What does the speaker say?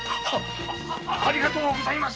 ありがとうございます。